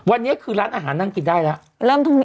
วันนี้คือร้านอาหารนั่งกินได้แล้ว